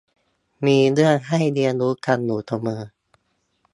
มีเรื่องให้เรียนรู้กันอยู่เสมอ